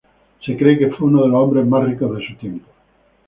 Se cree que fue uno de los hombres más ricos de su tiempo.